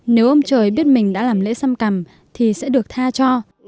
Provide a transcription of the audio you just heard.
nếu ông trời biết mình đã làm lễ xăm cằm thì sẽ được tha cho